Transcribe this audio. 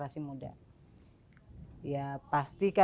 jadi saya juga mengingatkan kepada generasi muda